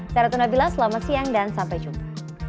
saya ratna bila selamat siang dan sampai jumpa